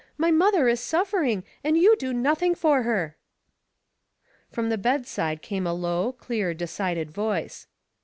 My mother is suffering, and you do nothing for her." From the bedside came a low, clear, decided voice.